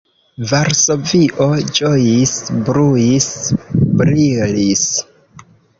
Varsovio ĝojis, bruis, brilis.